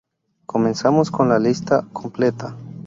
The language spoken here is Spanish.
Comenzamos con la lista completa.